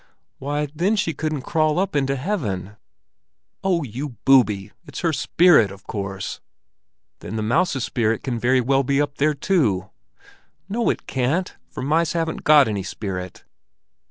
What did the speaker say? "Why, then she couldn't crawl up into heaven." "Oh, you booby! It's her spirit, of course!" "Then the mouse's spirit can very well be up there too." "No, it can't, for mice haven't got any spirit."